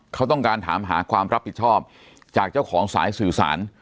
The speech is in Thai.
เขาต้องการถามหาความรับผิดชอบจากเจ้าของสายสื่อสาร